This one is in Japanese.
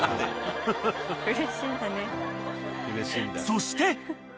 ［そして］